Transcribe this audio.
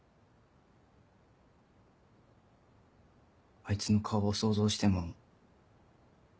あいつの顔を想像しても。